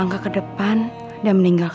apa yang ada di dalam diri aku